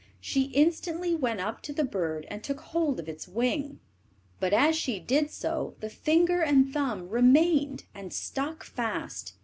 She instantly went up to the bird and took hold of its wing, but as she did so, the finger and thumb remained and stuck fast.